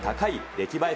出来栄え